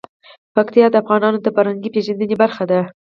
پکتیا د افغانانو د فرهنګي پیژندنې برخه ده.